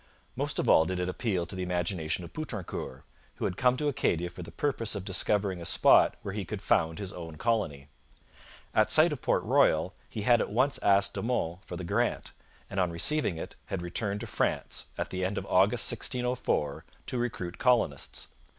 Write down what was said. Most of all did it appeal to the imagination of Poutrincourt, who had come to Acadia for the purpose of discovering a spot where he could found his own colony. At sight of Port Royal he had at once asked De Monts for the grant, and on receiving it had returned to France, at the end of August 1604, to recruit colonists.